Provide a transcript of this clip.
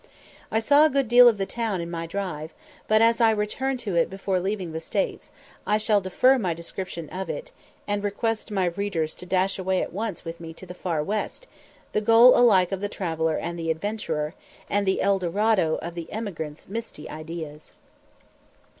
I saw a good deal of the town in my drive, but, as I returned to it before leaving the States, I shall defer my description of it, and request my readers to dash away at once with me to the "far west," the goal alike of the traveller and the adventurer, and the El Dorado of the emigrant's misty ideas.